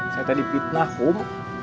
saya tadi fitnah kum